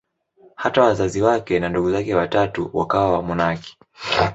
Hata wazazi wake na ndugu zake watatu wakawa wamonaki.